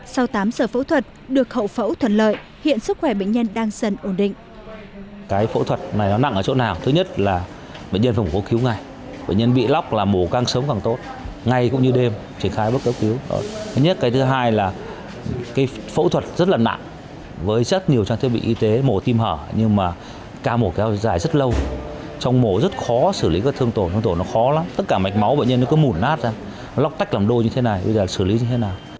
sau tám giờ phẫu thuật được hậu phẫu thuận lợi hiện sức khỏe bệnh nhân đang dần ổn định